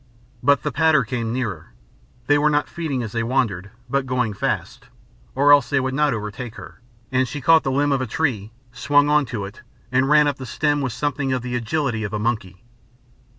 But the patter came nearer, they were not feeding as they wandered, but going fast or else they would not overtake her and she caught the limb of a tree, swung on to it, and ran up the stem with something of the agility of a monkey.